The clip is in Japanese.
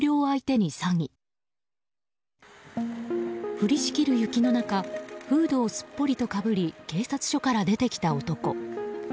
降りしきる雪の中フードをすっぽりとかぶり警察署から出てきた男。